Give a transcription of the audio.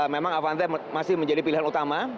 memang avanta masih menjadi pilihan utama